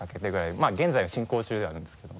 まぁ現在進行中ではあるんですけども。